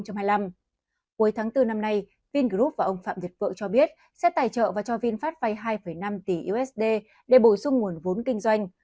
cuối tháng bốn năm nay vingroup và ông phạm việt vượng cho biết sẽ tài trợ và cho vinfast vay hai năm tỷ usd để bổ sung nguồn vốn kinh doanh